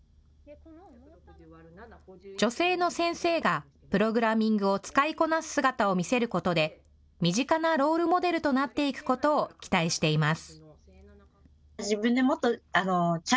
女性の先生がプログラミングを使いこなす姿を見せることで身近なロールモデルとなっていくことを期待しています。